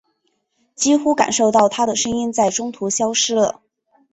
几乎感受到她的声音在中途消失了。